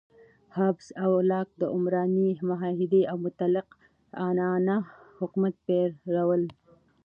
هابس او لاک د عمراني معاهدې او مطلق العنانه حکومت پیر ول.